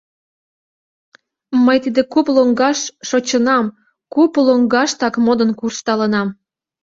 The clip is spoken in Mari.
Мый тиде куп лоҥгаш шочынам, куп лоҥгаштак модын куржталынам.